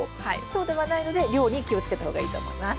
そうではないので量に気をつけた方がいいと思います。